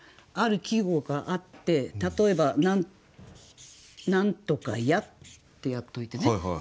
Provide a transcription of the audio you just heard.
ある季語があって例えば「何とかや」ってやっといてね